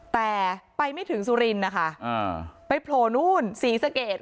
แต่ไปไม่ถึงสุรินทร์นะคะไปโผล่นู่นศรีสะเกด